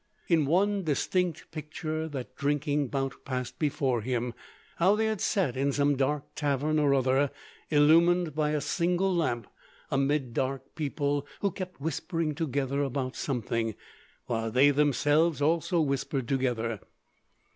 In one distinct picture that drinking bout passed before him: how they had sat in some dark tavern or other, illumined by a single lamp, amid dark people who kept whispering together about something, while they themselves also whispered together.